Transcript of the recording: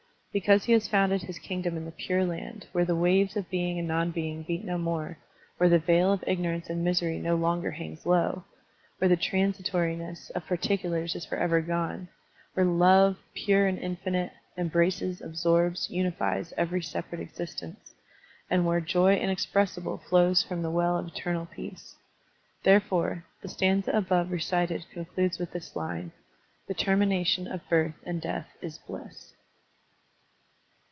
Because he has founded his kingdom in the Pure Land; where the waves of being and non being beat no more ; where the veil of ignorance and misery no longer hangs low; where the transitoriness of particulars is forever gone; where love, pure and infinite, embraces, absorbs, tmifies every separate existence ; and where joy inexpressible flows from the well of eternal peace. Therefore, the stanza above recited concludes with this line: "The termination of birth and death is bliss.'